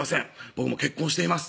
僕も結婚しています」